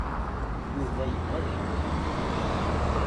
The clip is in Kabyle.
Yuba yebɣa ad iwali.